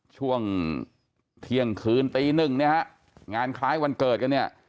ช่วงเที่ยงคืนตีหนึ่งเนี่ยฮะงานคล้ายวันเกิดกันเนี่ย